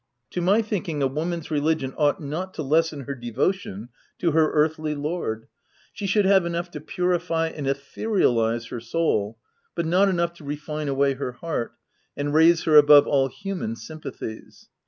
To my thinking, a woman's religion ought not to lessen her devotion to her earthly lord. She should have enough to purify and etherialize her soul, but not enough to refine away her heart, and raise her above all human sympathies."